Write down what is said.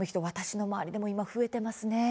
私の周りでも増えています。